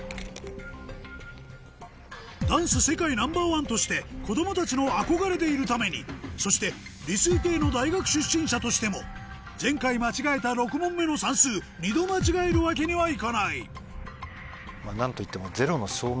ダンス世界ナンバーワンとして子供たちの憧れでいるためにそして理数系の大学出身者としても前回間違えた６問目の算数２度間違えるわけにはいかない何といっても。